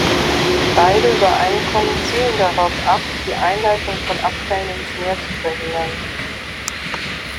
Beide Übereinkommen zielen darauf ab, die Einleitung von Abfällen ins Meer zu verhindern.